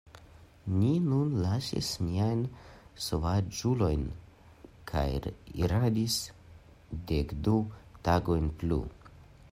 Ni nun lasis niajn sovaĝulojn kaj iradis dekdu tagojn plu.